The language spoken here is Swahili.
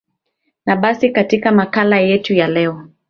yo basi katika makala yetu ya leo